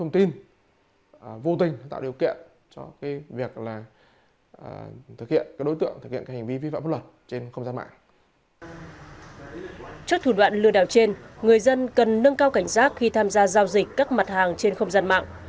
trước thủ đoạn lừa đảo trên người dân cần nâng cao cảnh giác khi tham gia giao dịch các mặt hàng trên không gian mạng